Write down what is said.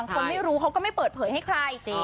คนไม่รู้เขาก็ไม่เปิดเผยให้ใคร